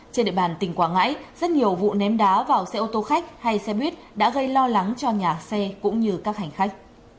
trên địa bàn tỉnh quảng ngãi rất nhiều vụ ném đá vào xe ô tô khách hay xe buýt đã gây lo lắng cho nhà xe cũng như các hành khách